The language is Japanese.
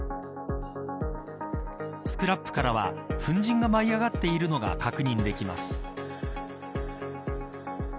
スクラップからは粉じんが舞い上がっているのが確認できます。